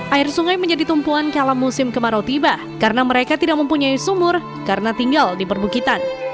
air sungai menjadi tumpuan kalau musim kemarau tiba karena mereka tidak mempunyai sumur karena tinggal di perbukitan